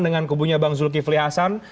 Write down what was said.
dengan kubunya bang zulkifli hasan